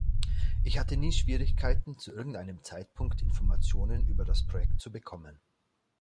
Ich hatte nie Schwierigkeiten, zu irgendeinem Zeitpunkt Informationen über das Projekt zu bekommen.